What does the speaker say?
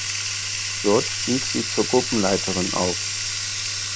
Dort stieg sie zur Gruppenleiterin auf.